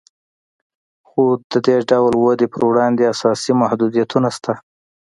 خو د دې ډول ودې پر وړاندې اساسي محدودیتونه شته